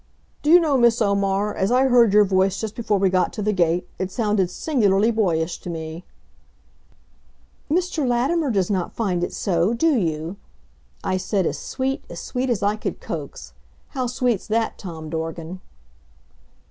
Do you know, Miss Omar, as I heard your voice just before we got to the gate, it sounded singularly boyish to me." "Mr. Latimer does not find it so do you?" I said as sweet as sweet as I could coax. How sweet's that, Tom Dorgan?